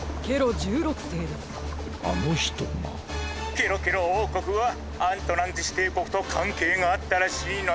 ケロケロおうこくはアントランティスていこくとかんけいがあったらしいのだ。